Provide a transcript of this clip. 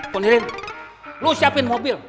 pondirin lu siapin mobil